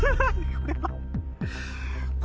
これは。